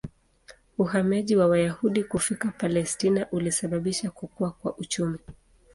Uhamiaji wa Wayahudi kufika Palestina ulisababisha kukua kwa uchumi.